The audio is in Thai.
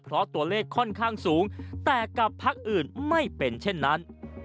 เพราะตัวเลขค่อนข้างสูงแต่กับพักอื่นไม่เป็นเช่นนั้น